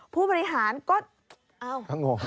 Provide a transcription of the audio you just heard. ผู้บริหารก็เอ้า